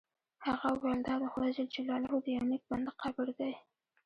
هغه وویل دا د خدای جل جلاله د یو نیک بنده قبر دی.